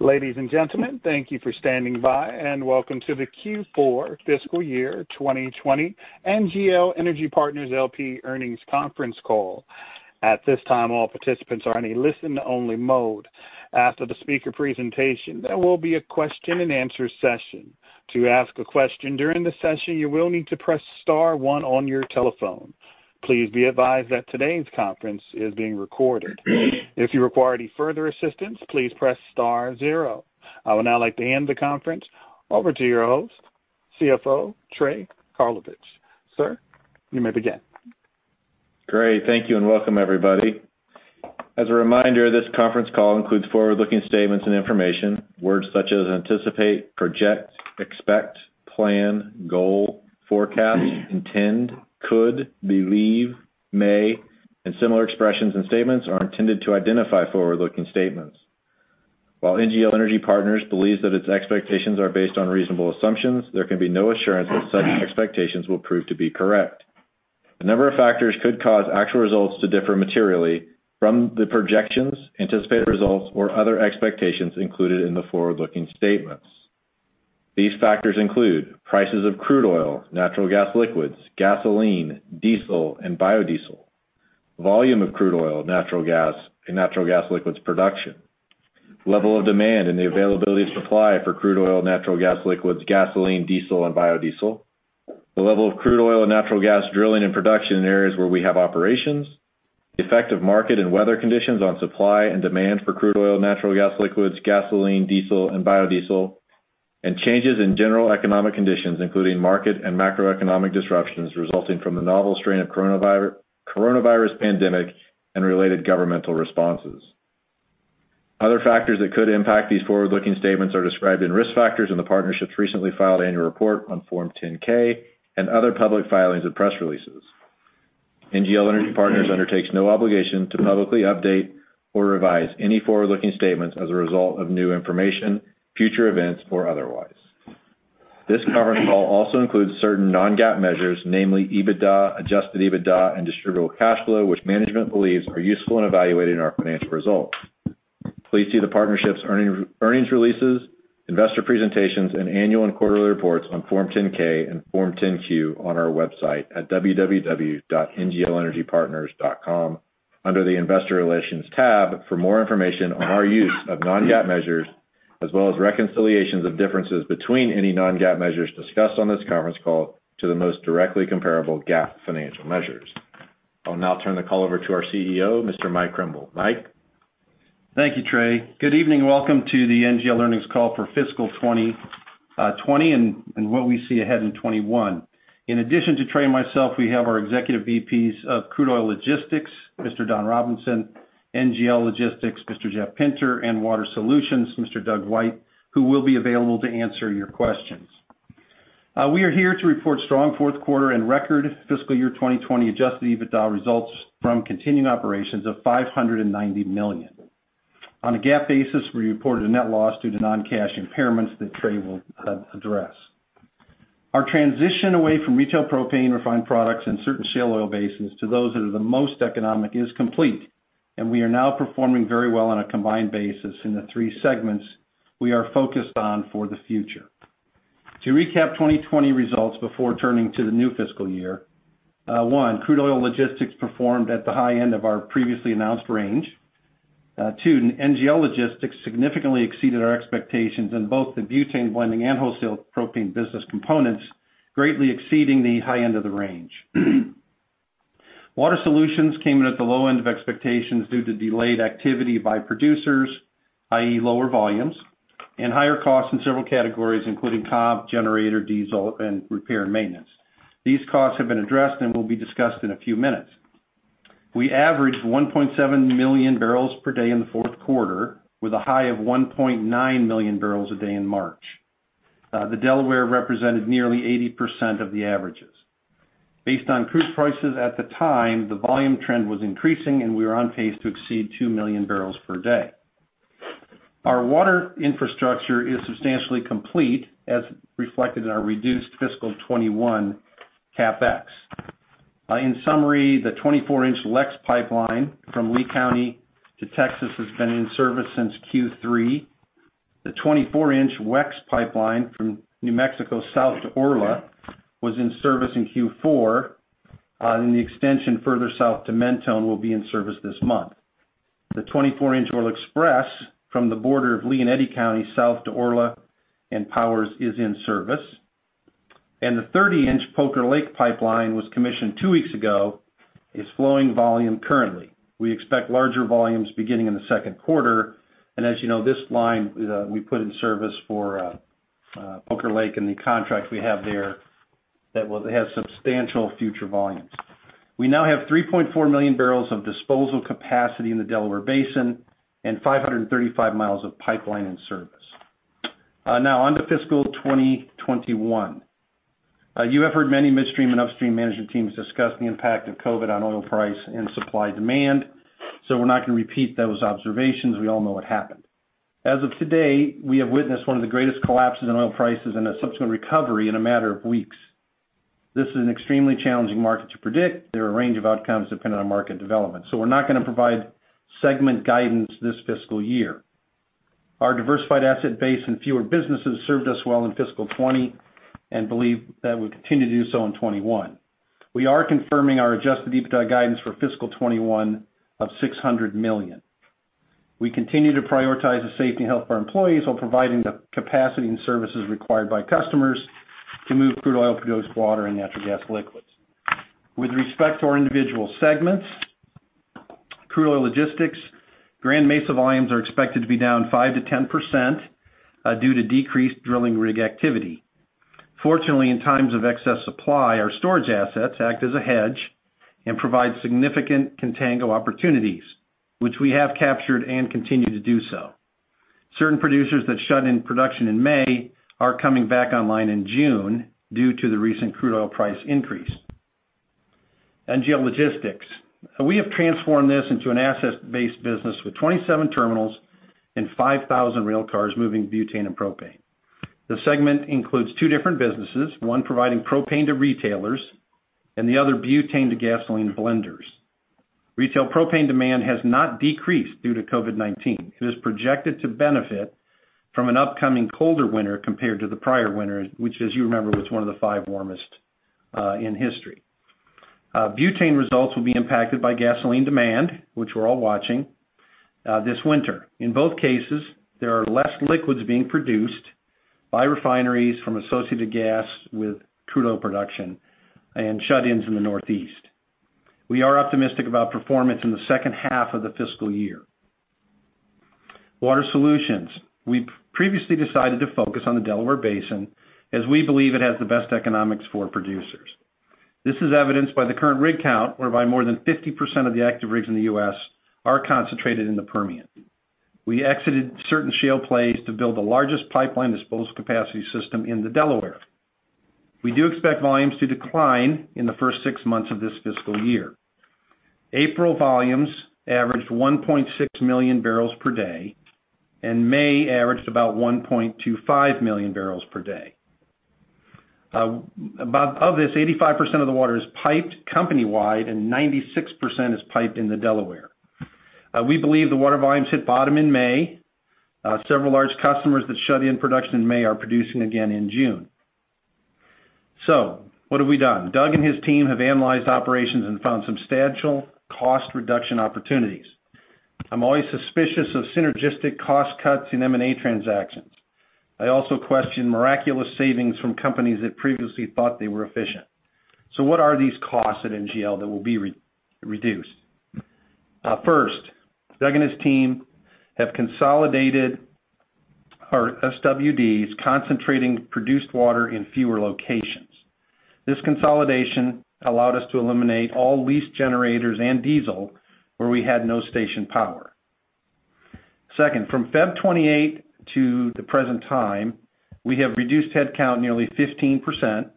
Ladies and gentlemen, thank you for standing by, and welcome to the Q4 fiscal year 2020 NGL Energy Partners LP earnings conference call. At this time, all participants are in a listen-only mode. After the speaker presentation, there will be a question-and-answer session. To ask a question during the session, you will need to press star one on your telephone. Please be advised that today's conference is being recorded. If you require any further assistance, please press star zero. I would now like to hand the conference over to your host, CFO Trey Karlovich. Sir, you may begin. Great. Thank you, and welcome everybody. As a reminder, this conference call includes forward-looking statements and information. Words such as anticipate, project, expect, plan, goal, forecast, intend, could, believe, may, and similar expressions and statements are intended to identify forward-looking statements. While NGL Energy Partners believes that its expectations are based on reasonable assumptions, there can be no assurance that such expectations will prove to be correct. A number of factors could cause actual results to differ materially from the projections, anticipated results, or other expectations included in the forward-looking statements. These factors include prices of crude oil, natural gas liquids, gasoline, diesel, and biodiesel. Volume of crude oil, natural gas, and natural gas liquids production. Level of demand and the availability of supply for crude oil, natural gas liquids, gasoline, diesel, and biodiesel. The level of crude oil and natural gas drilling and production in areas where we have operations. The effect of market and weather conditions on supply and demand for crude oil, natural gas liquids, gasoline, diesel, and biodiesel. Changes in general economic conditions, including market and macroeconomic disruptions resulting from the novel strain of coronavirus pandemic and related governmental responses. Other factors that could impact these forward-looking statements are described in risk factors in the partnership's recently filed annual report on Form 10-K and other public filings of press releases. NGL Energy Partners undertakes no obligation to publicly update or revise any forward-looking statements as a result of new information, future events, or otherwise. This conference call also includes certain non-GAAP measures, namely EBITDA, adjusted EBITDA, and distributable cash flow, which management believes are useful in evaluating our financial results. Please see the partnership's earnings releases, investor presentations, and annual and quarterly reports on Form 10-K and Form 10-Q on our website at www.nglenergypartners.com under the investor relations tab for more information on our use of non-GAAP measures, as well as reconciliations of differences between any non-GAAP measures discussed on this conference call to the most directly comparable GAAP financial measures. I'll now turn the call over to our CEO, Mr. Mike Krimbill. Mike? Thank you, Trey. Good evening and welcome to the NGL earnings call for fiscal 2020 and what we see ahead in 2021. In addition to Trey and myself, we have our executive VPs of Crude Oil Logistics, Mr. Don Robinson, NGL Logistics, Mr. Jeff Pinter, and Water Solutions, Mr. Doug White, who will be available to answer your questions. We are here to report strong fourth quarter and record fiscal year 2020 adjusted EBITDA results from continuing operations of $590 million. On a GAAP basis, we reported a net loss due to non-cash impairments that Trey will address. Our transition away from retail propane refined products and certain shale oil basins to those that are the most economic is complete, and we are now performing very well on a combined basis in the three segments we are focused on for the future. To recap 2020 results before turning to the new fiscal year, one, Crude Oil Logistics performed at the high end of our previously announced range. Two, NGL Logistics significantly exceeded our expectations in both the butane blending and wholesale propane business components, greatly exceeding the high end of the range. Water Solutions came in at the low end of expectations due to delayed activity by producers, i.e., lower volumes, and higher costs in several categories, including comp, generator, diesel, and repair and maintenance. These costs have been addressed and will be discussed in a few minutes. We averaged 1.7 million bpd in the fourth quarter with a high of 1.9 million bpd in March. The Delaware represented nearly 80% of the averages. Based on crude prices at the time, the volume trend was increasing, and we were on pace to exceed 2 million bpd. Our water infrastructure is substantially complete as reflected in our reduced fiscal 2021 CapEx. In summary, the 24-inch LEX pipeline from Lea County to Texas has been in service since Q3. The 24-inch WEX pipeline from New Mexico south to Orla was in service in Q4. The extension further south to Mentone will be in service this month. The 24-inch Orla Express from the border of Lea and Eddy County south to Orla and Pecos is in service. The 30-inch Poker Lake pipeline was commissioned two weeks ago, is flowing volume currently. We expect larger volumes beginning in the second quarter. As you know, this line we put in service for Poker Lake and the contract we have there that has substantial future volumes. We now have 3.4 million bbl of disposal capacity in the Delaware Basin and 535 miles of pipeline in service. Now on to fiscal 2021. You have heard many midstream and upstream management teams discuss the impact of COVID-19 on oil price and supply demand. We're not going to repeat those observations. We all know what happened. As of today, we have witnessed one of the greatest collapses in oil prices and a subsequent recovery in a matter of weeks. This is an extremely challenging market to predict. There are a range of outcomes depending on market development. We're not going to provide segment guidance this fiscal year. Our diversified asset base and fewer businesses served us well in fiscal 2020. Believe that will continue to do so in 2021. We are confirming our adjusted EBITDA guidance for fiscal 2021 of $600 million. We continue to prioritize the safety and health of our employees while providing the capacity and services required by customers to move crude oil, produced water, and natural gas liquids. With respect to our individual segments, Crude Oil Logistics, Grand Mesa volumes are expected to be down 5%-10% due to decreased drilling rig activity. Fortunately, in times of excess supply, our storage assets act as a hedge and provide significant contango opportunities, which we have captured and continue to do so. Certain producers that shut in production in May are coming back online in June due to the recent crude oil price increase. NGL Logistics. We have transformed this into an asset-based business with 27 terminals and 5,000 rail cars moving butane and propane. The segment includes two different businesses, one providing propane to retailers, and the other butane to gasoline blenders. Retail propane demand has not decreased due to COVID-19. It is projected to benefit from an upcoming colder winter compared to the prior winter, which, as you remember, was one of the five warmest in history. Butane results will be impacted by gasoline demand, which we're all watching, this winter. In both cases, there are less liquids being produced by refineries from associated gas with crude oil production and shut-ins in the Northeast. We are optimistic about performance in the second half of the fiscal year. Water Solutions. We previously decided to focus on the Delaware Basin as we believe it has the best economics for producers. This is evidenced by the current rig count, whereby more than 50% of the active rigs in the U.S. are concentrated in the Permian. We exited certain shale plays to build the largest pipeline disposal capacity system in the Delaware. We do expect volumes to decline in the first six months of this fiscal year. April volumes averaged 1.6 million bpd, and May averaged about 1.25 million bpd. Of this, 85% of the water is piped company-wide and 96% is piped in the Delaware Basin. We believe the water volumes hit bottom in May. Several large customers that shut in production in May are producing again in June. What have we done? Doug and his team have analyzed operations and found substantial cost reduction opportunities. I'm always suspicious of synergistic cost cuts in M&A transactions. I also question miraculous savings from companies that previously thought they were efficient. What are these costs at NGL that will be reduced? First, Doug and his team have consolidated our SWDs, concentrating produced water in fewer locations. This consolidation allowed us to eliminate all lease generators and diesel where we had no station power. Second, from February 28 to the present time, we have reduced headcount nearly 15%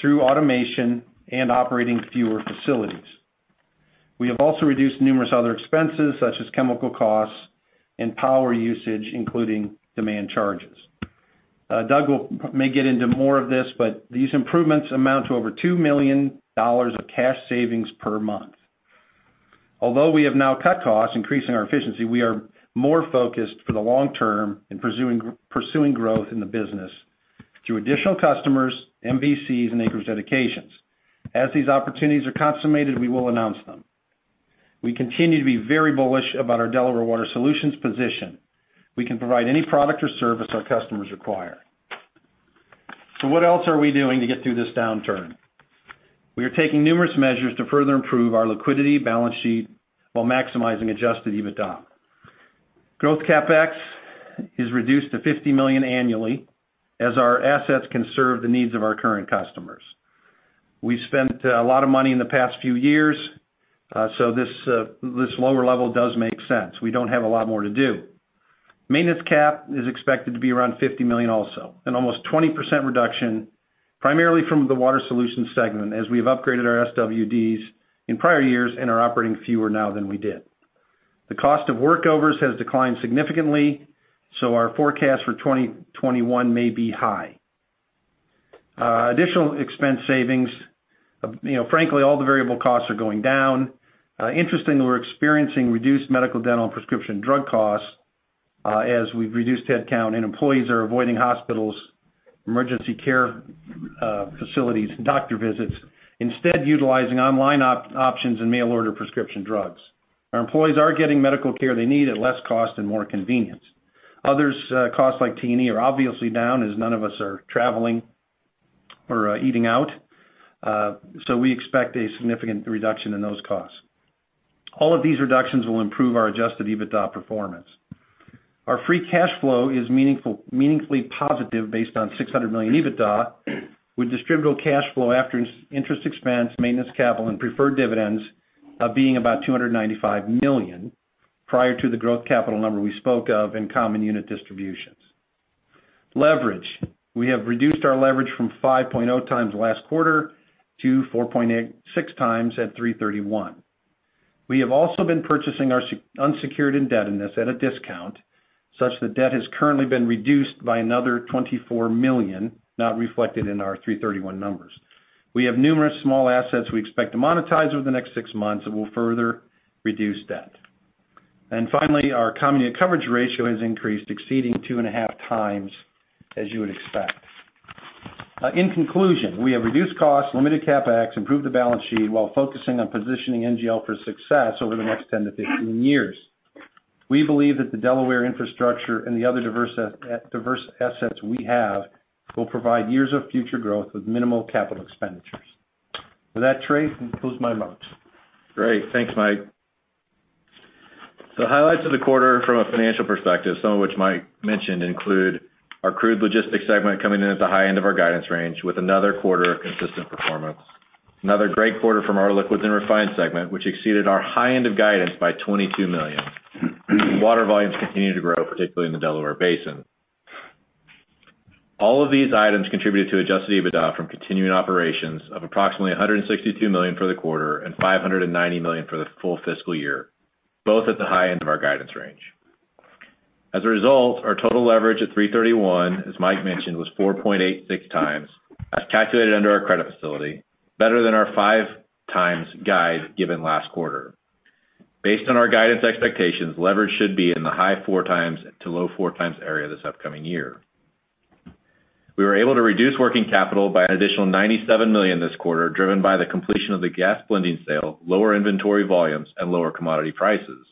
through automation and operating fewer facilities. We have also reduced numerous other expenses such as chemical costs and power usage, including demand charges. Doug may get into more of this, these improvements amount to over $2 million of cash savings per month. Although we have now cut costs, increasing our efficiency, we are more focused for the long term in pursuing growth in the business through additional customers, MVCs, and acreage dedications. As these opportunities are consummated, we will announce them. We continue to be very bullish about our Delaware Water Solutions position. We can provide any product or service our customers require. What else are we doing to get through this downturn? We are taking numerous measures to further improve our liquidity balance sheet while maximizing adjusted EBITDA. Growth CapEx is reduced to $50 million annually as our assets can serve the needs of our current customers. We've spent a lot of money in the past few years, so this lower level does make sense. We don't have a lot more to do. Maintenance cap is expected to be around $50 million also, an almost 20% reduction, primarily from the Water Solutions segment, as we have upgraded our SWDs in prior years and are operating fewer now than we did. The cost of workovers has declined significantly, so our forecast for 2021 may be high. Additional expense savings. Frankly, all the variable costs are going down. Interestingly, we're experiencing reduced medical, dental, and prescription drug costs as we've reduced headcount and employees are avoiding hospitals, emergency care facilities, and doctor visits, instead utilizing online options and mail order prescription drugs. Our employees are getting medical care they need at less cost and more convenience. Other costs like T&E are obviously down as none of us are traveling or eating out. We expect a significant reduction in those costs. All of these reductions will improve our adjusted EBITDA performance. Our free cash flow is meaningfully positive based on $600 million EBITDA, with distributable cash flow after interest expense, maintenance capital, and preferred dividends of being about $295 million prior to the growth capital number we spoke of in common unit distributions. Leverage. We have reduced our leverage from 5.0x last quarter to 4.86x at 3/31. We have also been purchasing our unsecured indebtedness at a discount, such that debt has currently been reduced by another $24 million, not reflected in our 3/31 numbers. We have numerous six months assets we expect to monetize over the next six months that will further reduce debt. Finally, our combined coverage ratio has increased, exceeding 2.5x, as you would expect. In conclusion, we have reduced costs, limited CapEx, improved the balance sheet while focusing on positioning NGL for success over the next 10-15 years. We believe that the Delaware infrastructure and the other diverse assets we have will provide years of future growth with minimal capital expenditures. With that, Trey, I conclude my remarks. Great. Thanks, Mike. Highlights of the quarter from a financial perspective, some of which Mike mentioned, include our Crude Oil Logistics segment coming in at the high end of our guidance range with another quarter of consistent performance. Another great quarter from our NGL Logistics segment, which exceeded our high end of guidance by $22 million. Water volumes continue to grow, particularly in the Delaware Basin. All of these items contributed to adjusted EBITDA from continuing operations of approximately $162 million for the quarter and $590 million for the full fiscal year, both at the high end of our guidance range. Our total leverage at 3/31, as Mike mentioned, was 4.86x as calculated under our credit facility, better than our 5x guide given last quarter. Based on our guidance expectations, leverage should be in the high 4x to low 4x area this upcoming year. We were able to reduce working capital by an additional $97 million this quarter, driven by the completion of the gas blending sale, lower inventory volumes, and lower commodity prices.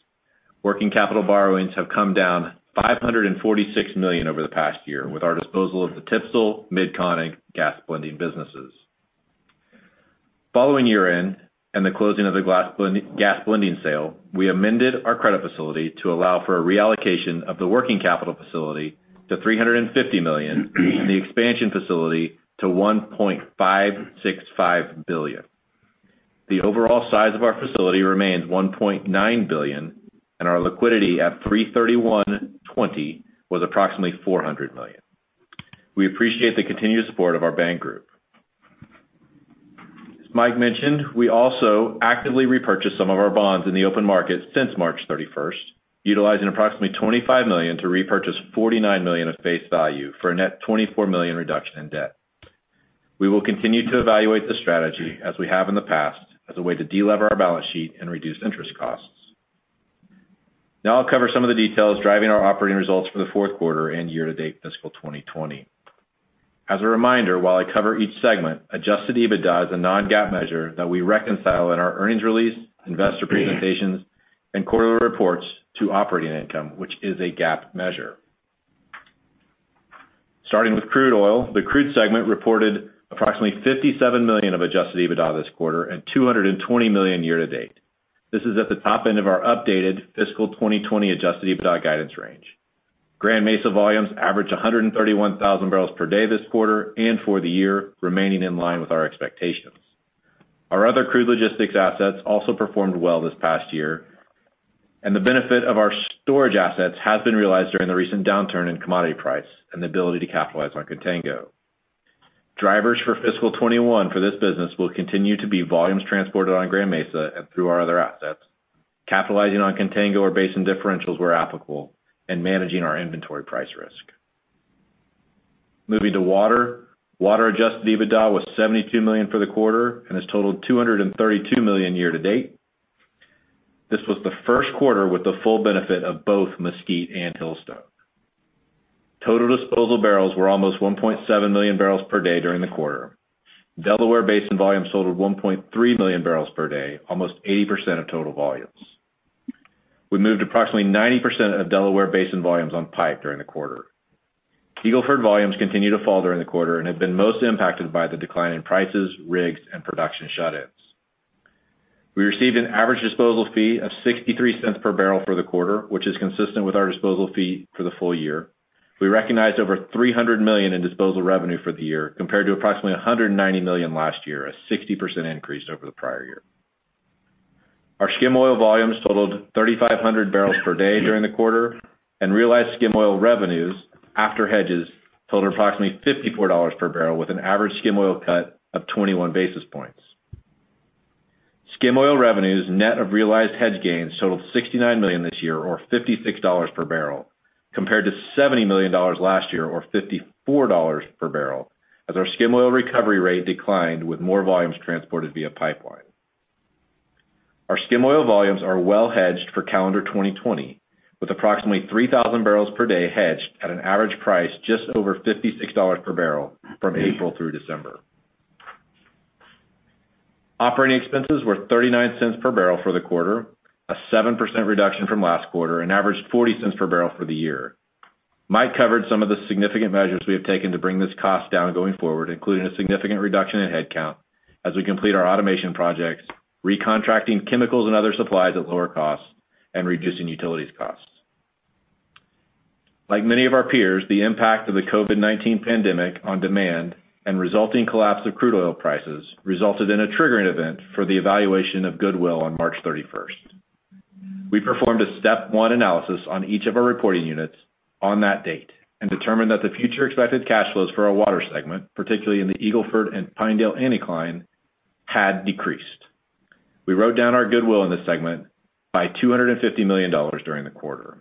Working capital borrowings have come down $546 million over the past year with our disposal of the TPSL, Midcontinent gas blending businesses. Following year-end and the closing of the gas blending sale, we amended our credit facility to allow for a reallocation of the working capital facility to $350 million, the expansion facility to $1.565 billion. The overall size of our facility remains $1.9 billion. Our liquidity at 3/31/2020 was approximately $400 million. We appreciate the continued support of our bank group. As Mike mentioned, we also actively repurchased some of our bonds in the open market since March 31st, utilizing approximately $25 million to repurchase $49 million of face value for a net $24 million reduction in debt. We will continue to evaluate the strategy as we have in the past, as a way to de-lever our balance sheet and reduce interest costs. I'll cover some of the details driving our operating results for the fourth quarter and year-to-date fiscal 2020. As a reminder, while I cover each segment, adjusted EBITDA is a non-GAAP measure that we reconcile in our earnings release, investor presentations, and quarterly reports to operating income, which is a GAAP measure. Starting with Crude Oil, the Crude Oil segment reported approximately $57 million of adjusted EBITDA this quarter and $220 million year-to-date. This is at the top end of our updated fiscal 2020 adjusted EBITDA guidance range. Grand Mesa volumes averaged 131,000 bpd this quarter and for the year, remaining in line with our expectations. Our other crude logistics assets also performed well this past year, and the benefit of our storage assets has been realized during the recent downturn in commodity price and the ability to capitalize on contango. Drivers for fiscal 2021 for this business will continue to be volumes transported on Grand Mesa and through our other assets, capitalizing on contango or basin differentials where applicable, and managing our inventory price risk. Moving to water. Water adjusted EBITDA was $72 million for the quarter and has totaled $232 million year-to-date. This was the first quarter with the full benefit of both Mesquite and Hillstone. Total disposal barrels were almost 1.7 million bpd during the quarter. Delaware Basin volumes totaled 1.3 million bpd, almost 80% of total volumes. We moved approximately 90% of Delaware Basin volumes on pipe during the quarter. Eagle Ford volumes continued to fall during the quarter and have been most impacted by the decline in prices, rigs, and production shut-ins. We received an average disposal fee of $0.63 per bbl for the quarter, which is consistent with our disposal fee for the full year. We recognized over $300 million in disposal revenue for the year, compared to approximately $190 million last year, a 60% increase over the prior year. Our skim oil volumes totaled 3,500 bpd during the quarter, and realized skim oil revenues after hedges totaled approximately $54 per bbl with an average skim oil cut of 21 basis points. Skim oil revenues, net of realized hedge gains, totaled $69 million this year or $56 per bbl, compared to $70 million last year or $54 per bbl as our skim oil recovery rate declined with more volumes transported via pipeline. Our skim oil volumes are well hedged for calendar 2020, with approximately 3,000 bpd hedged at an average price just over $56 per bbl from April through December. Operating expenses were $0.39 per bbl for the quarter, a 7% reduction from last quarter, and averaged $0.40 per bbl for the year. Mike covered some of the significant measures we have taken to bring this cost down going forward, including a significant reduction in headcount as we complete our automation projects, recontracting chemicals and other supplies at lower costs, and reducing utilities costs. Like many of our peers, the impact of the COVID-19 pandemic on demand and resulting collapse of crude oil prices resulted in a triggering event for the evaluation of goodwill on March 31st. We performed a step one analysis on each of our reporting units on that date and determined that the future expected cash flows for our Water Solutions segment, particularly in the Eagle Ford and Pinedale Anticline, had decreased. We wrote down our goodwill in this segment by $250 million during the quarter.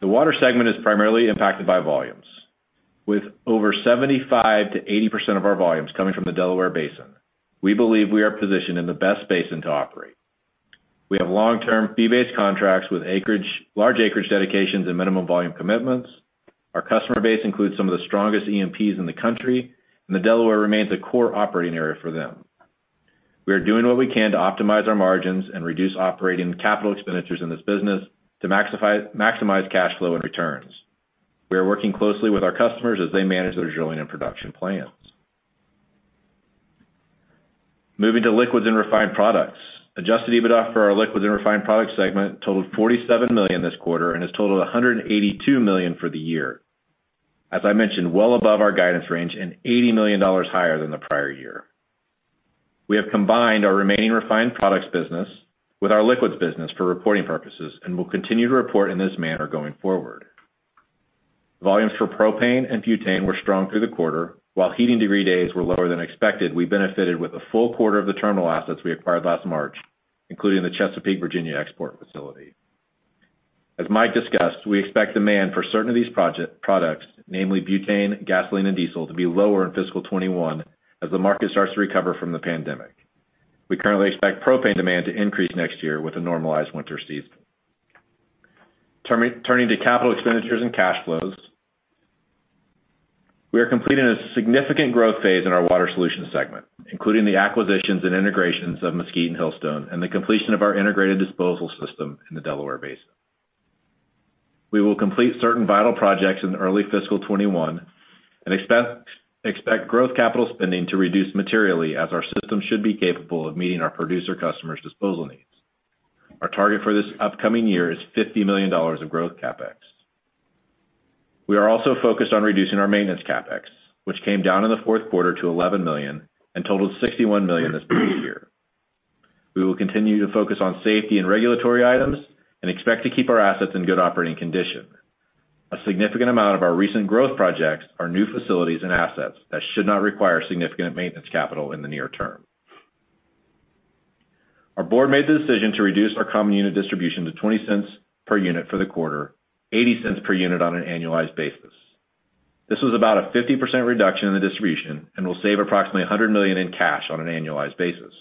The Water Solutions segment is primarily impacted by volumes. Over 75%-80% of our volumes coming from the Delaware Basin, we believe we are positioned in the best basin to operate. We have long-term fee-based contracts with large acreage dedications and minimum volume commitments. Our customer base includes some of the strongest E&Ps in the country, the Delaware remains a core operating area for them. We are doing what we can to optimize our margins and reduce operating CapEx in this business to maximize cash flow and returns. We are working closely with our customers as they manage their drilling and production plans. Moving to liquids and refined products. Adjusted EBITDA for our liquids and refined products segment totaled $47 million this quarter and has totaled $182 million for the year. As I mentioned, well above our guidance range and $80 million higher than the prior year. We have combined our remaining refined products business with our liquids business for reporting purposes, and will continue to report in this manner going forward. Volumes for propane and butane were strong through the quarter. While heating degree days were lower than expected, we benefited with a full quarter of the terminal assets we acquired last March, including the Chesapeake, Virginia export facility. As Mike discussed, we expect demand for certain of these products, namely butane, gasoline, and diesel, to be lower in fiscal 2021 as the market starts to recover from the pandemic. We currently expect propane demand to increase next year with a normalized winter season. Turning to capital expenditures and cash flows. We are completing a significant growth phase in our Water Solutions segment, including the acquisitions and integrations of Mesquite and Hillstone, and the completion of our integrated disposal system in the Delaware Basin. We will complete certain vital projects in early fiscal 2021, and expect growth capital spending to reduce materially as our system should be capable of meeting our producer customers' disposal needs. Our target for this upcoming year is $50 million of growth CapEx. We are also focused on reducing our maintenance CapEx, which came down in the fourth quarter to $11 million and totaled $61 million this past year. We will continue to focus on safety and regulatory items and expect to keep our assets in good operating condition. A significant amount of our recent growth projects are new facilities and assets that should not require significant maintenance capital in the near term. Our board made the decision to reduce our common unit distribution to $0.20 per unit for the quarter, $0.80 per unit on an annualized basis. This was about a 50% reduction in the distribution and will save approximately $100 million in cash on an annualized basis.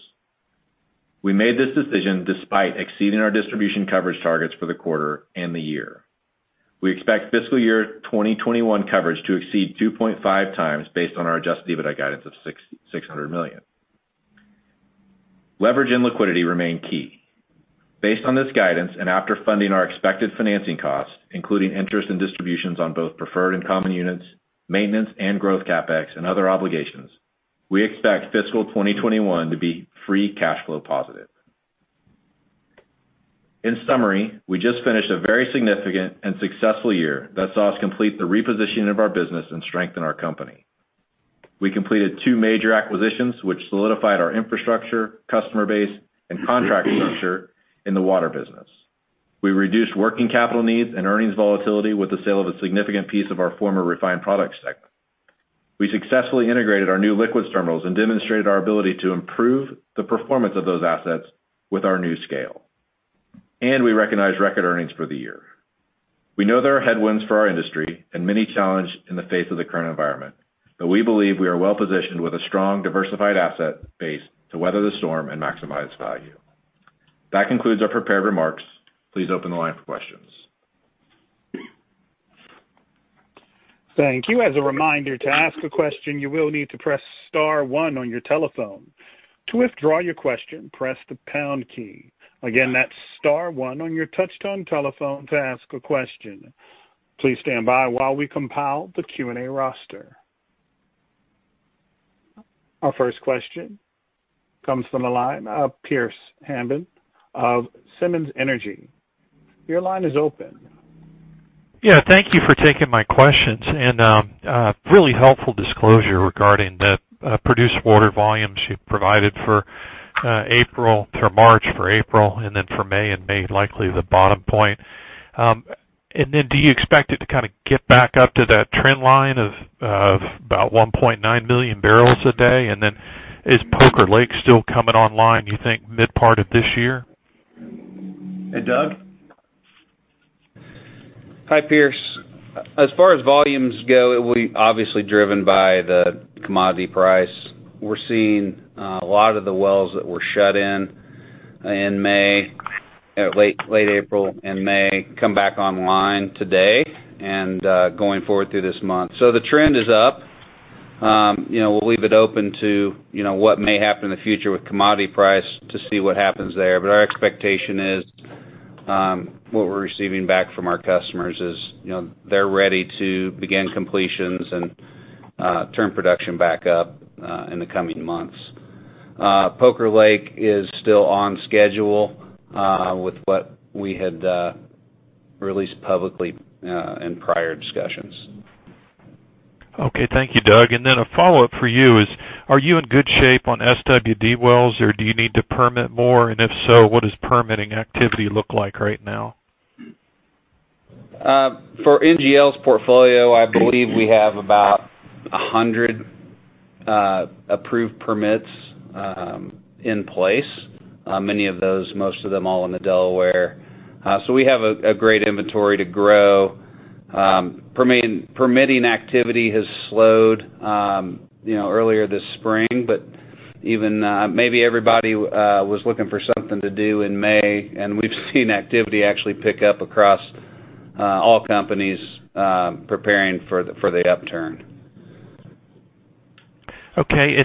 We made this decision despite exceeding our distribution coverage targets for the quarter and the year. We expect fiscal year 2021 coverage to exceed 2.5x based on our adjusted EBITDA guidance of $600 million. Leverage and liquidity remain key. Based on this guidance and after funding our expected financing costs, including interest and distributions on both preferred and common units, maintenance and growth CapEx and other obligations, we expect fiscal 2021 to be free cash flow positive. In summary, we just finished a very significant and successful year that saw us complete the repositioning of our business and strengthen our company. We completed two major acquisitions, which solidified our infrastructure, customer base, and contract structure in the water business. We reduced working capital needs and earnings volatility with the sale of a significant piece of our former refined products segment. We successfully integrated our new liquids terminals and demonstrated our ability to improve the performance of those assets with our new scale. We recognized record earnings for the year. We know there are headwinds for our industry and many challenges in the face of the current environment, but we believe we are well-positioned with a strong, diversified asset base to weather the storm and maximize value. That concludes our prepared remarks. Please open the line for questions. Thank you. As a reminder, to ask a question, you will need to press star one on your telephone. To withdraw your question, press the pound key. Again, that's star one on your touch-tone telephone to ask a question. Please stand by while we compile the Q&A roster. Our first question comes from the line of Pearce Hammond of Simmons Energy. Your line is open. Yeah, thank you for taking my questions. Really helpful disclosure regarding the produced water volumes you provided for March, for April, and then for May, and May likely the bottom point. Do you expect it to kind of get back up to that trend line of about 1.9 million bpd? Is Poker Lake still coming online, you think mid part of this year? Hey, Doug? Hi, Pearce. As far as volumes go, it will be obviously driven by the commodity price. We're seeing a lot of the wells that were shut in late April and May come back online today and going forward through this month. The trend is up. We'll leave it open to what may happen in the future with commodity price to see what happens there. Our expectation is what we're receiving back from our customers is they're ready to begin completions and turn production back up in the coming months. Poker Lake is still on schedule with what we had released publicly in prior discussions. Okay. Thank you, Doug. A follow-up for you is, are you in good shape on SWD wells, or do you need to permit more? If so, what does permitting activity look like right now? For NGL's portfolio, I believe we have about 100 approved permits in place. Many of those, most of them all in the Delaware. We have a great inventory to grow. Permitting activity has slowed earlier this spring. Maybe everybody was looking for something to do in May, and we've seen activity actually pick up across all companies preparing for the upturn. Okay,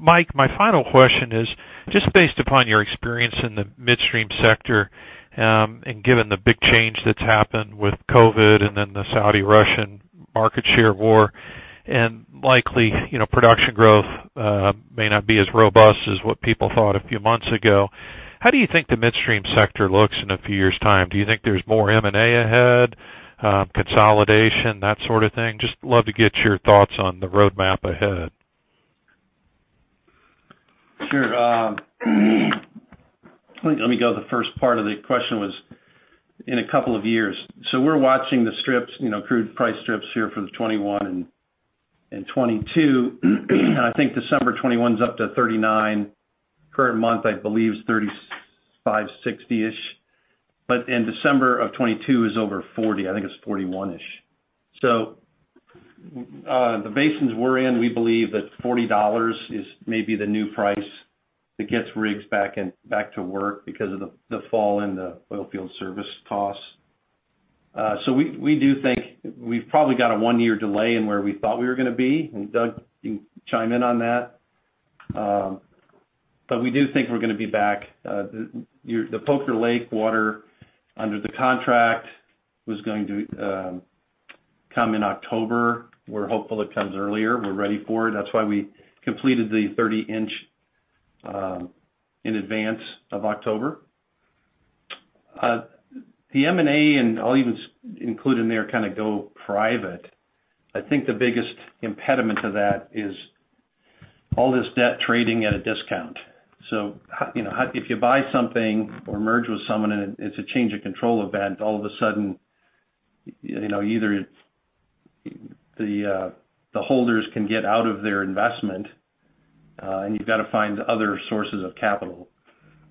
Mike, my final question is, just based upon your experience in the midstream sector, and given the big change that's happened with COVID and then the Saudi-Russian market share war, and likely production growth may not be as robust as what people thought a few months ago, how do you think the midstream sector looks in a few years' time? Do you think there's more M&A ahead, consolidation, that sort of thing? Just love to get your thoughts on the roadmap ahead. Sure. Let me go to the first part of the question was in a couple of years. We're watching the strips, crude price strips here for 2021 and 2022. I think December 2021's up to 39. Current month, I believe, is 35.60-ish. In December of 2022 is over 40. I think it's 41-ish. The basins we're in, we believe that $40 is maybe the new price that gets rigs back to work because of the fall in the oil field service costs. We do think we've probably got a one-year delay in where we thought we were going to be. Doug, you can chime in on that. We do think we're going to be back. The Poker Lake water under the contract was going to come in October. We're hopeful it comes earlier. We're ready for it. That's why we completed the 30-inch in advance of October. The M&A, I'll even include in there kind of go private, I think the biggest impediment to that is all this debt trading at a discount. If you buy something or merge with someone and it's a change of control event, all of a sudden, either the holders can get out of their investment, and you've got to find other sources of capital.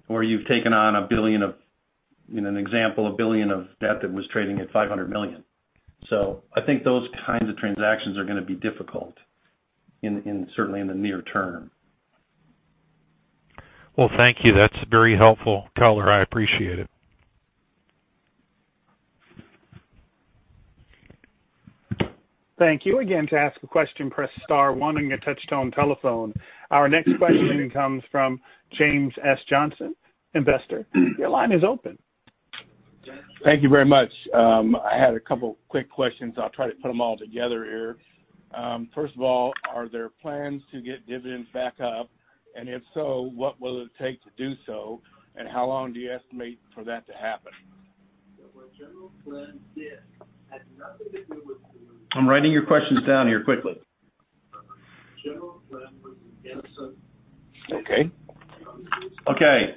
You've taken on, an example, $1 billion of debt that was trading at $500 million. I think those kinds of transactions are going to be difficult certainly in the near term. Well, thank you. That's very helpful color. I appreciate it. Thank you. Again, to ask a question, press star one on your touch-tone telephone. Our next question comes from James S. Johnson, investor. Your line is open. Thank you very much. I had a couple of quick questions. I'll try to put them all together here. First of all, are there plans to get dividends back up? If so, what will it take to do so? How long do you estimate for that to happen? I'm writing your questions down here quickly. Okay.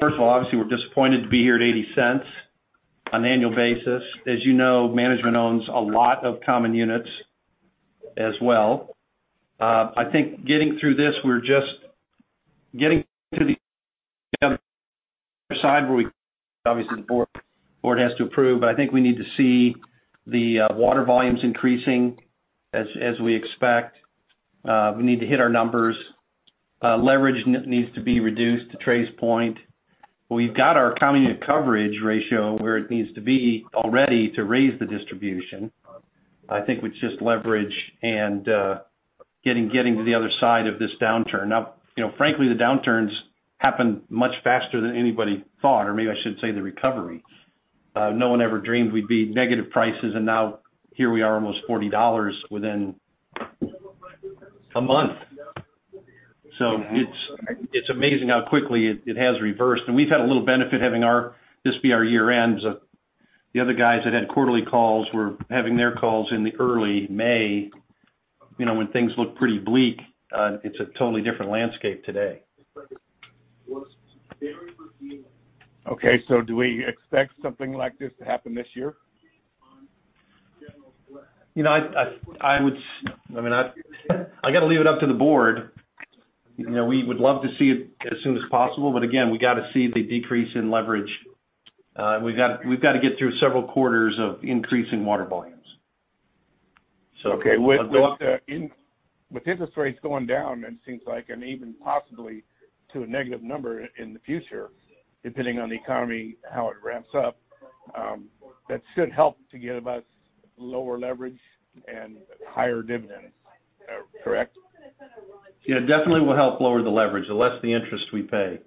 First of all, obviously, we're disappointed to be here at $0.80 on an annual basis. As you know, management owns a lot of common units as well. I think getting through this, we're just getting to the other side where obviously, the board has to approve. I think we need to see the water volumes increasing as we expect. We need to hit our numbers. Leverage needs to be reduced to Trey's point. We've got our common unit coverage ratio where it needs to be already to raise the distribution. I think with just leverage and getting to the other side of this downturn. Frankly, the downturn's happened much faster than anybody thought, or maybe I should say the recovery. No one ever dreamed we'd be negative prices, here we are almost $40 within a month. It's amazing how quickly it has reversed. We've had a little benefit having this be our year-end. The other guys that had quarterly calls were having their calls in the early May, when things looked pretty bleak. It's a totally different landscape today. Okay. Do we expect something like this to happen this year? I got to leave it up to the board. We would love to see it as soon as possible. Again, we got to see the decrease in leverage. We've got to get through several quarters of increasing water volumes. Okay. With interest rates going down, it seems like, even possibly to a negative number in the future, depending on the economy, how it ramps up, that should help to give us lower leverage and higher dividends. Correct? It definitely will help lower the leverage, the less the interest we pay.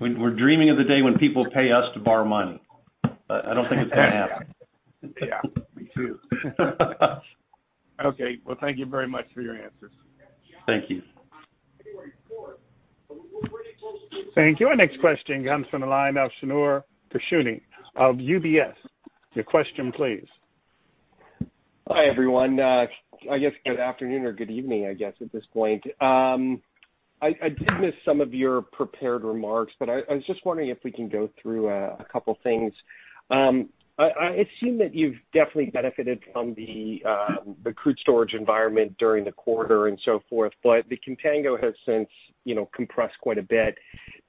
We're dreaming of the day when people pay us to borrow money. I don't think it's going to happen. Yeah. Me too. Okay. Well, thank you very much for your answers. Thank you. Thank you. Our next question comes from the line of Shneur Gershuni of UBS. Your question, please. Hi, everyone. I guess good afternoon or good evening, I guess, at this point. I did miss some of your prepared remarks. I was just wondering if we can go through a couple things. It seemed that you've definitely benefited from the crude storage environment during the quarter and so forth. The contango has since compressed quite a bit.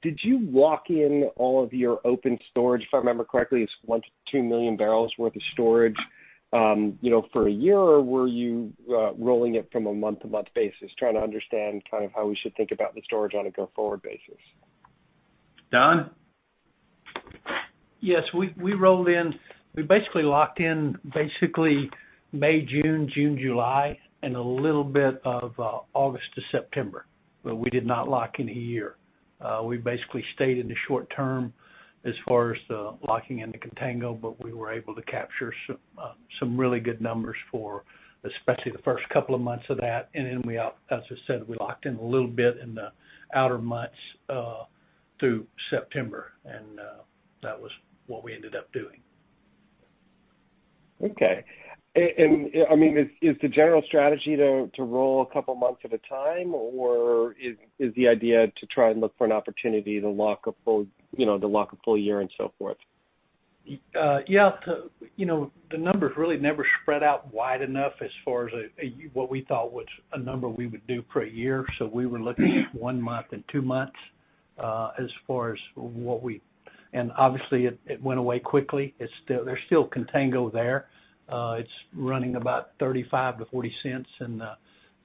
Did you lock in all of your open storage, if I remember correctly, it's 1 million-2 million bbl worth of storage, for a year, or were you rolling it from a month-to-month basis? Trying to understand kind of how we should think about the storage on a go-forward basis. Don? Yes. We basically locked in basically May/June/July, and a little bit of August to September. We did not lock in a year. We basically stayed in the short term as far as the locking in the contango. We were able to capture some really good numbers for especially the first couple of months of that. As I said, we locked in a little bit in the outer months, through September. That was what we ended up doing. Okay. Is the general strategy to roll a couple months at a time, or is the idea to try and look for an opportunity to lock a full year and so forth? Yeah. The numbers really never spread out wide enough as far as what we thought was a number we would do per year. We were looking at one month and two months. Obviously, it went away quickly. There's still contango there. It's running about $0.35-$0.40 in the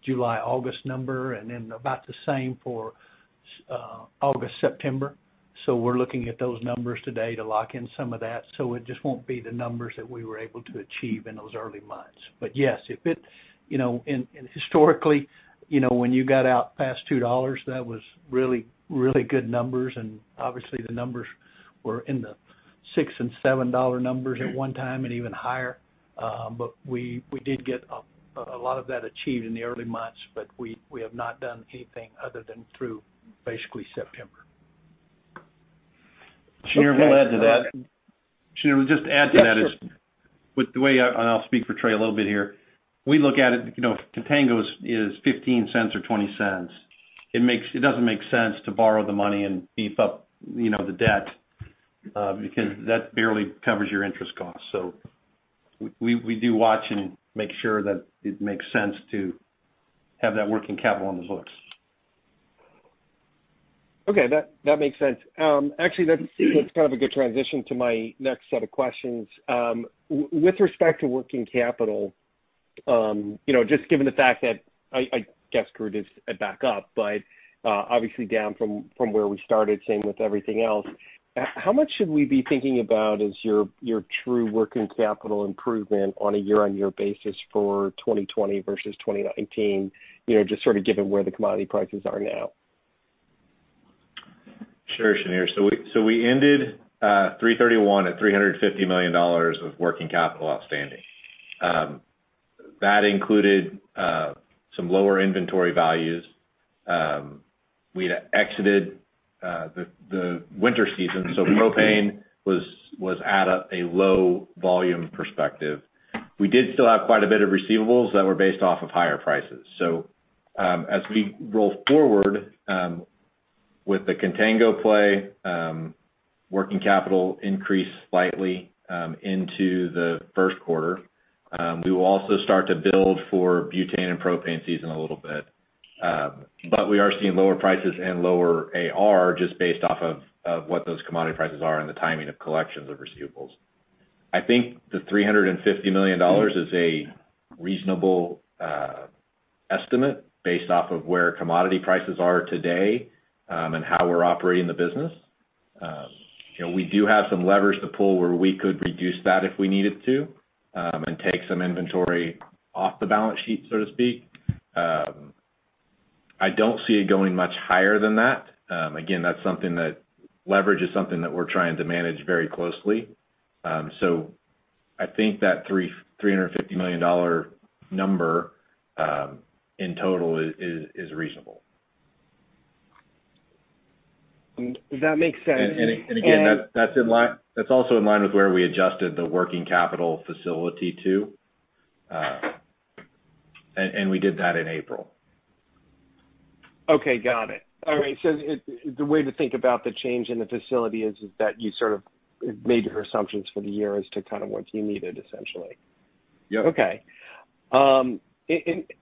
July/August number, and then about the same for August/September. We're looking at those numbers today to lock in some of that. It just won't be the numbers that we were able to achieve in those early months. Yes, historically, when you got out past $2, that was really good numbers, and obviously, the numbers were in the $6 and $7 numbers at one time, and even higher. We did get a lot of that achieved in the early months, but we have not done anything other than through basically September. Okay. Shneur, we'll just add to that. Yeah, sure. With the way, and I'll speak for Trey a little bit here. We look at it, if contango is $0.15 or $0.20, it doesn't make sense to borrow the money and beef up the debt, because that barely covers your interest costs. We do watch and make sure that it makes sense to have that working capital on the books. Okay. That makes sense. Actually, that's kind of a good transition to my next set of questions. With respect to working capital, just given the fact that I guess crude is back up, but obviously down from where we started, same with everything else. How much should we be thinking about as your true working capital improvement on a year-over-year basis for 2020 versus 2019, just sort of given where the commodity prices are now? Sure, Shneur. We ended 3/31 at $350 million of working capital outstanding. That included some lower inventory values. We had exited the winter season, so propane was at a low volume perspective. We did still have quite a bit of receivables that were based off of higher prices. As we roll forward with the contango play, working capital increased slightly into the first quarter. We will also start to build for butane and propane season a little bit. We are seeing lower prices and lower AR just based off of what those commodity prices are and the timing of collections of receivables. I think the $350 million is a reasonable estimate based off of where commodity prices are today, and how we're operating the business. We do have some levers to pull where we could reduce that if we needed to, and take some inventory off the balance sheet, so to speak. I don't see it going much higher than that. Again, leverage is something that we're trying to manage very closely. I think that $350 million number in total is reasonable. That makes sense. Again, that's also in line with where we adjusted the working capital facility to. We did that in April. Okay. Got it. All right, the way to think about the change in the facility is that you sort of made your assumptions for the year as to kind of what you needed, essentially. Yep. Okay. I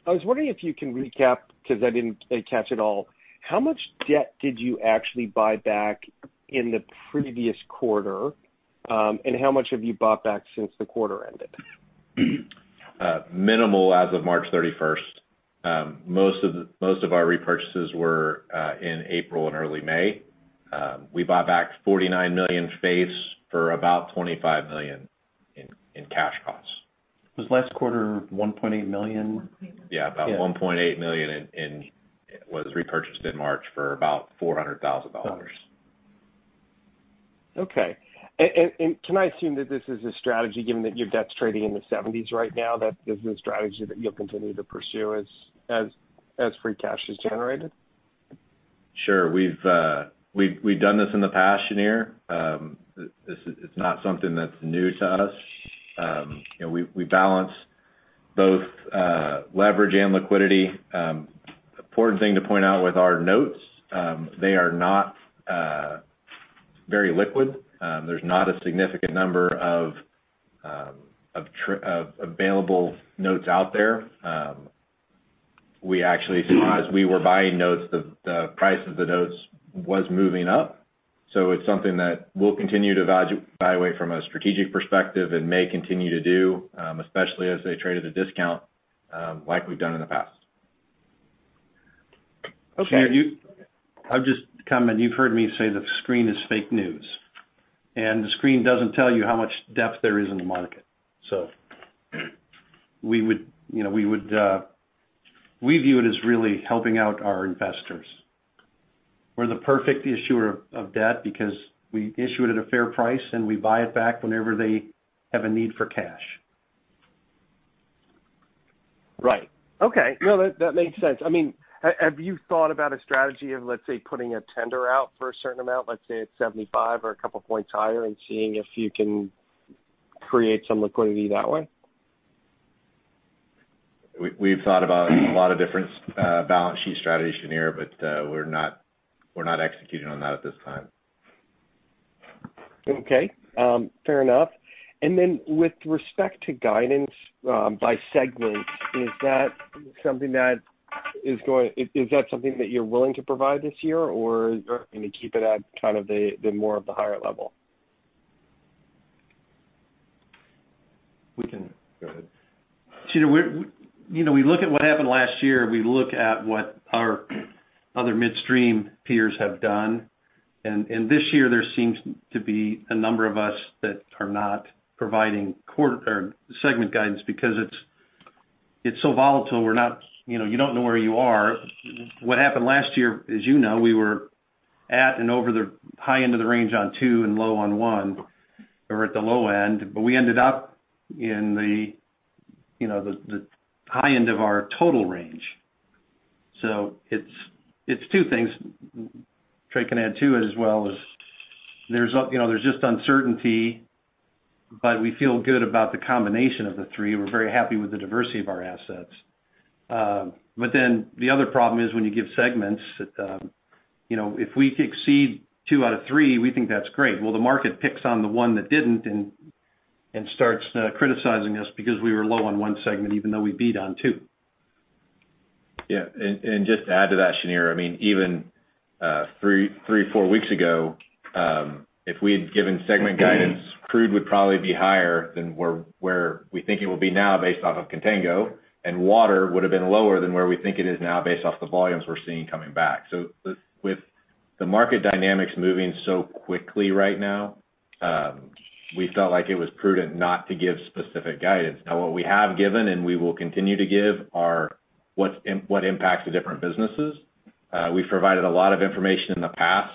was wondering if you can recap, because I didn't catch it all, how much debt did you actually buy back in the previous quarter? How much have you bought back since the quarter ended? Minimal as of March 31st. Most of our repurchases were in April and early May. We bought back $49 million face for about $25 million in cash costs. Was last quarter $1.8 million? Yeah. About $1.8 million was repurchased in March for about $400,000. Okay. Can I assume that this is a strategy, given that your debt's trading in the seventies right now, that is the strategy that you'll continue to pursue as free cash is generated? Sure. We've done this in the past, Shneur. It's not something that's new to us. We balance both leverage and liquidity. Important thing to point out with our notes, they are not very liquid. There's not a significant number of available notes out there. We actually were buying notes, the price of the notes was moving up. It's something that we'll continue to evaluate from a strategic perspective and may continue to do, especially as they trade at a discount, like we've done in the past. Okay. Shneur, you've heard me say the screen is fake news, the screen doesn't tell you how much depth there is in the market. We view it as really helping out our investors. We're the perfect issuer of debt because we issue it at a fair price, we buy it back whenever they have a need for cash. Right. Okay. No, that makes sense. Have you thought about a strategy of, let's say, putting a tender out for a certain amount, let's say at 75 or a couple of points higher, and seeing if you can create some liquidity that way? We've thought about a lot of different balance sheet strategies, Shneur, but we're not executing on that at this time. Okay. Fair enough. Then with respect to guidance by segment, is that something that you're willing to provide this year, or you're going to keep it at kind of the more of the higher level? We can. Go ahead. Shneur, we look at what happened last year, we look at what our other midstream peers have done. This year there seems to be a number of us that are not providing segment guidance because it's so volatile, you don't know where you are. What happened last year, as you know, we were at and over the high end of the range on two and low on one. We were at the low end, we ended up in the high end of our total range. It's two things. Trey can add to it as well. There's just uncertainty, we feel good about the combination of the three. We're very happy with the diversity of our assets. The other problem is when you give segments, if we exceed two out of three, we think that's great. Well, the market picks on the one that didn't and starts criticizing us because we were low on one segment even though we beat on two. Just to add to that, Shneur, even three, four weeks ago, if we had given segment guidance, Crude would probably be higher than where we think it will be now based off of Contango, and Water would have been lower than where we think it is now based off the volumes we're seeing coming back. With the market dynamics moving so quickly right now, we felt like it was prudent not to give specific guidance. Now, what we have given and we will continue to give are what impacts the different businesses. We've provided a lot of information in the past,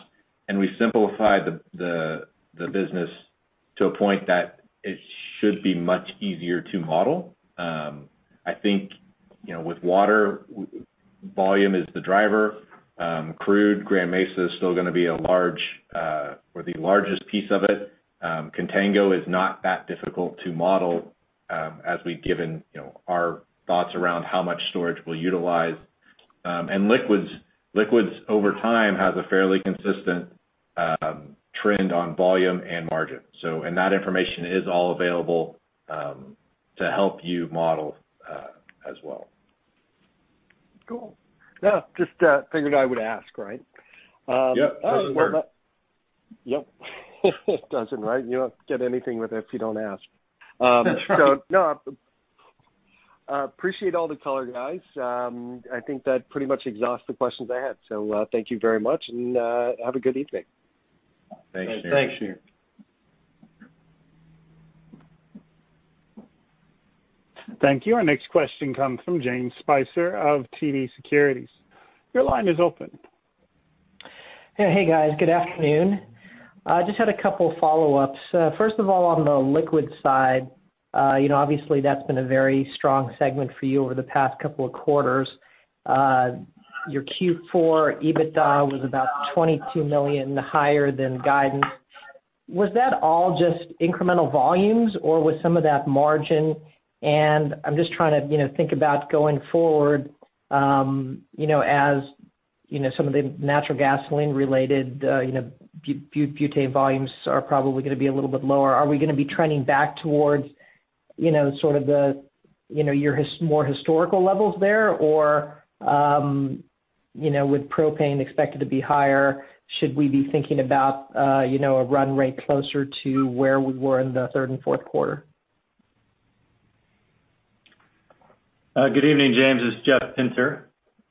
and we simplified the business to a point that it should be much easier to model. I think with Water, volume is the driver. Crude, Grand Mesa is still going to be a large or the largest piece of it. Contango is not that difficult to model as we've given our thoughts around how much storage we'll utilize. Liquids over time has a fairly consistent trend on volume and margin. That information is all available to help you model as well. Cool. Just figured I would ask, right? Yep. Doesn't hurt. Yep. It doesn't, right? You don't get anything with it if you don't ask. That's right. No. Appreciate all the color, guys. I think that pretty much exhausts the questions I had. Thank you very much, and have a good evening. Thanks, Shneur. Thanks, Shneur. Thank you. Our next question comes from James Spicer of TD Securities. Your line is open. Hey, guys. Good afternoon. Just had a couple of follow-ups. First of all, on the liquids side, obviously that's been a very strong segment for you over the past couple of quarters. Your Q4 EBITDA was about $22 million higher than guidance. Was that all just incremental volumes or was some of that margin? I'm just trying to think about going forward, as some of the natural gasoline-related butane volumes are probably going to be a little bit lower. Are we going to be trending back towards your more historical levels there? With propane expected to be higher, should we be thinking about a run rate closer to where we were in the third and fourth quarter? Good evening, James. It's Jeff Pinter.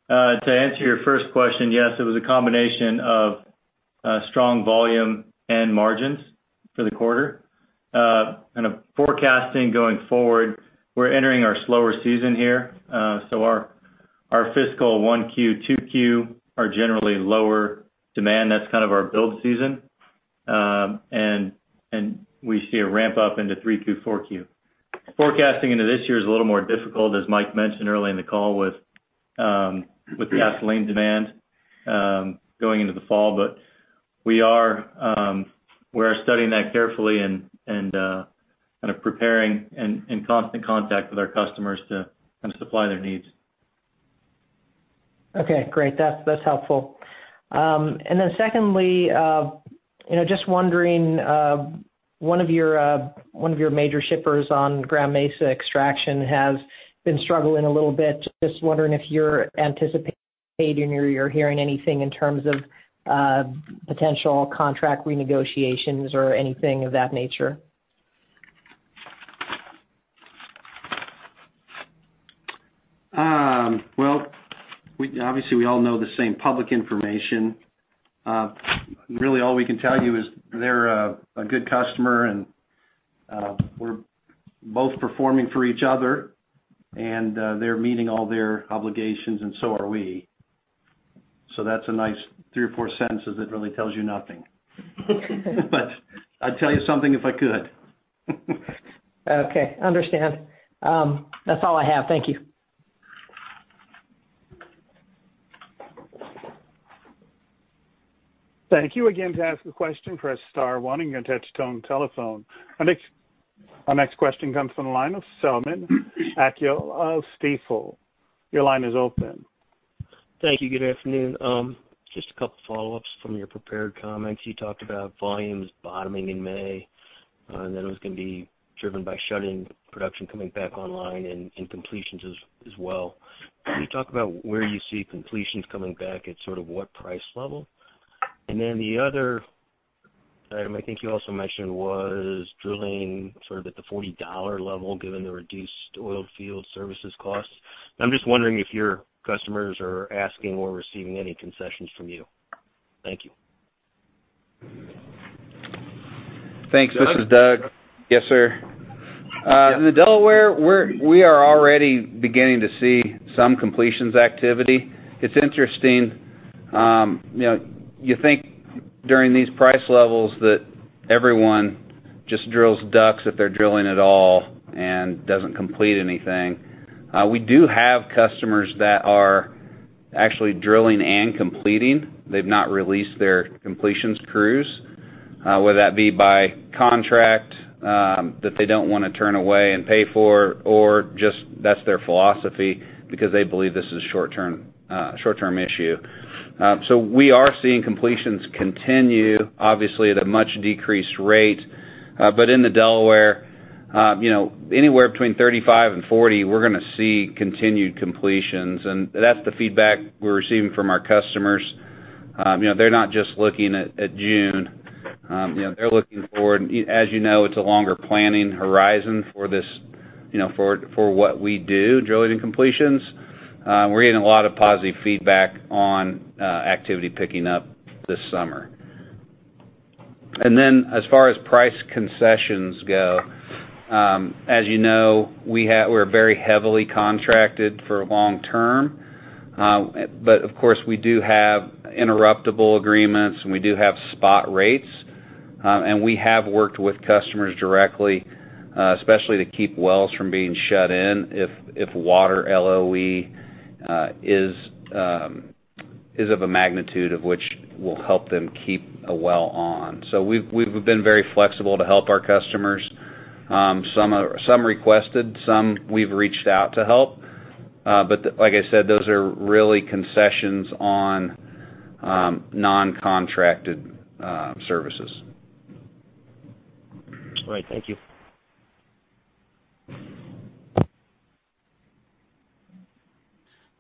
To answer your first question, yes, it was a combination of strong volume and margins for the quarter. Forecasting going forward, we're entering our slower season here, so our Our fiscal 1Q, 2Q are generally lower demand. That's kind of our build season. We see a ramp-up into 3Q, 4Q. Forecasting into this year is a little more difficult, as Mike mentioned earlier in the call, with gasoline demand going into the fall. We are studying that carefully and preparing, and in constant contact with our customers to supply their needs. Okay, great. That's helpful. Secondly, just wondering, one of your major shippers on Grand Mesa Extraction has been struggling a little bit. Just wondering if you're anticipating or you're hearing anything in terms of potential contract renegotiations or anything of that nature? Well, obviously we all know the same public information. Really all we can tell you is they're a good customer and we're both performing for each other, and they're meeting all their obligations and so are we. That's a nice three or four sentences that really tells you nothing. I'd tell you something if I could. Okay, understand. That's all I have. Thank you. Thank you. Again, to ask a question, press star one on your touch tone telephone. Our next question comes from the line of Selman Akyol of Stifel. Your line is open. Thank you. Good afternoon. Just a couple follow-ups from your prepared comments. You talked about volumes bottoming in May, and that it was going to be driven by shutting production coming back online and in completions as well. Can you talk about where you see completions coming back, at sort of what price level? Then the other item I think you also mentioned was drilling sort of at the $40 level, given the reduced oil field services cost. I'm just wondering if your customers are asking or receiving any concessions from you. Thank you. Thanks. This is Doug. Yes, sir. In the Delaware, we are already beginning to see some completions activity. It's interesting. You think during these price levels that everyone just drills DUCs if they're drilling at all, and doesn't complete anything. We do have customers that are actually drilling and completing. They've not released their completions crews, whether that be by contract, that they don't want to turn away and pay for, or just that's their philosophy because they believe this is a short-term issue. We are seeing completions continue, obviously at a much decreased rate. In the Delaware, anywhere between 35 and 40, we're going to see continued completions. That's the feedback we're receiving from our customers. They're not just looking at June. They're looking forward. As you know, it's a longer planning horizon for what we do, drilling and completions. We're getting a lot of positive feedback on activity picking up this summer. As far as price concessions go, as you know, we're very heavily contracted for long-term. Of course, we do have interruptible agreements, and we do have spot rates. We have worked with customers directly, especially to keep wells from being shut in if water LOE is of a magnitude of which will help them keep a well on. We've been very flexible to help our customers. Some requested, some we've reached out to help. Like I said, those are really concessions on non-contracted services. Great. Thank you.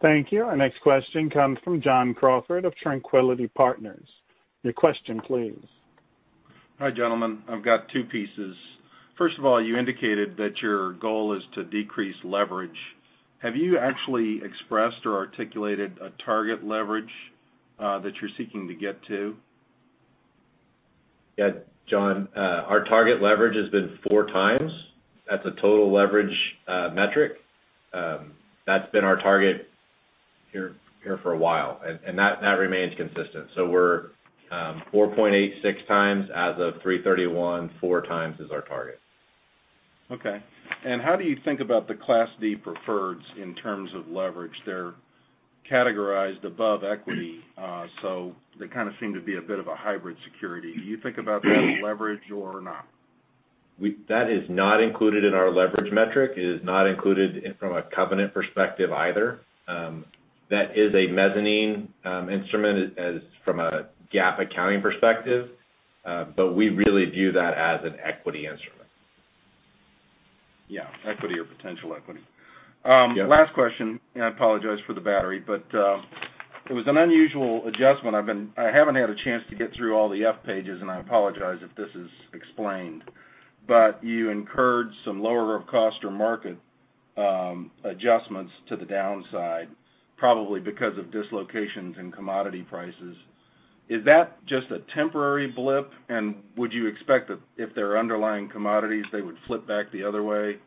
Thank you. Our next question comes from John Crawford of Tranquility Partners. Your question please. Hi, gentlemen. I've got two pieces. First of all, you indicated that your goal is to decrease leverage. Have you actually expressed or articulated a target leverage that you're seeking to get to? Yeah, John, our target leverage has been 4x. That's a total leverage metric. That's been our target here for a while. That remains consistent. We're 4.86x as of 331, 4x is our target. Okay. How do you think about the Class D preferreds in terms of leverage? They're categorized above equity, they kind of seem to be a bit of a hybrid security. Do you think about that leverage or not? That is not included in our leverage metric, it is not included from a covenant perspective either. That is a mezzanine instrument as from a GAAP accounting perspective. We really view that as an equity instrument. Yeah. Equity or potential equity. Yeah. Last question. I apologize for the battery, but it was an unusual adjustment. I haven't had a chance to get through all the F pages, and I apologize if this is explained. You incurred some lower cost or market adjustments to the downside, probably because of dislocations in commodity prices. Is that just a temporary blip? Would you expect that if their underlying commodities, they would flip back the other way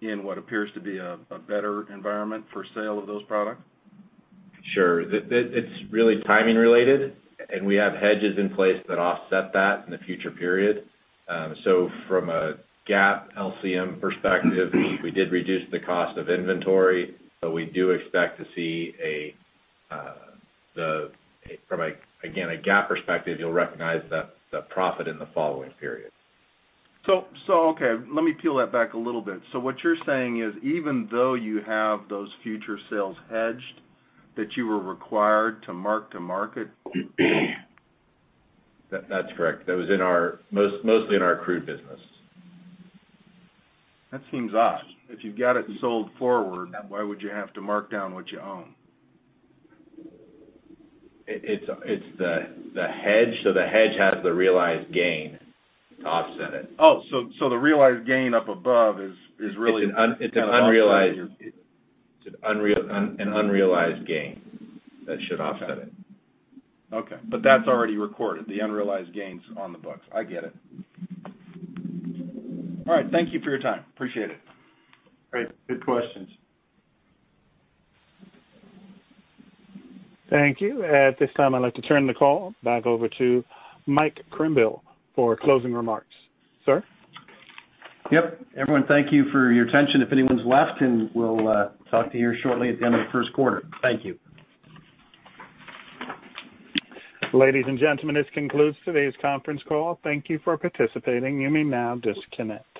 in what appears to be a better environment for sale of those products? Sure. It's really timing related, and we have hedges in place that offset that in the future period. From a GAAP LCM perspective, we did reduce the cost of inventory. We do expect to see, from, again, a GAAP perspective, you'll recognize the profit in the following period. Okay. Let me peel that back a little bit. What you're saying is, even though you have those future sales hedged that you were required to mark to market? That's correct. That was mostly in our crude business. That seems odd. If you've got it sold forward, why would you have to mark down what you own? It's the hedge. The hedge has the realized gain to offset it. Oh, the realized gain up above is. It's an unrealized gain that should offset it. Okay. That's already recorded, the unrealized gain's on the books. I get it. All right. Thank you for your time. Appreciate it. Great. Good questions. Thank you. At this time, I'd like to turn the call back over to Mike Krimbill for closing remarks. Sir? Yep. Everyone, thank you for your attention. If anyone's left, then we'll talk to you shortly at the end of the first quarter. Thank you. Ladies and gentlemen, this concludes today's conference call. Thank you for participating. You may now disconnect.